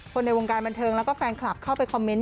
ในวงการบันเทิงแล้วก็แฟนคลับเข้าไปคอมเมนต